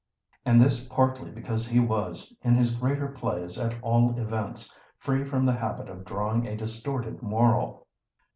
And this partly because he was, in his greater plays at all events, free from the habit of drawing a distorted moral.